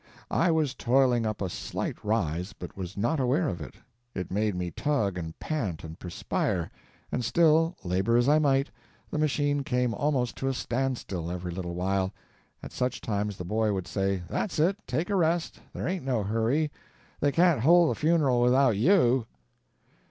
I was toiling up a slight rise, but was not aware of it. It made me tug and pant and perspire; and still, labor as I might, the machine came almost to a standstill every little while. At such times the boy would say: "That's it! take a rest—there ain't no hurry. They can't hold the funeral without YOU."